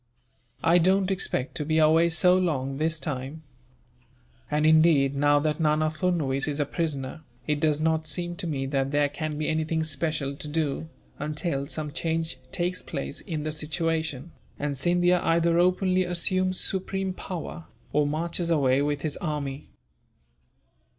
"I don't expect to be away so long, this time. And indeed, now that Nana Furnuwees is a prisoner, it does not seem to me that there can be anything special to do, until some change takes place in the situation, and Scindia either openly assumes supreme power, or marches away with his army."